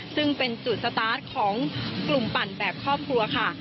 ซึ่งเป็นจุดสตาร์ทของกลุ่มปั่นแบบครอบครัวค่ะ